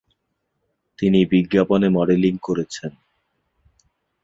তিনি বিজ্ঞাপনে মডেলিং করেছেন।